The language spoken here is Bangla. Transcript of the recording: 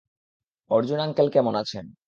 অর্জুন আঙ্কেল কেমন আছেন?